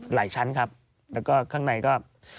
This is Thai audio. หลายชั้นครับแล้วก็ข้างในก็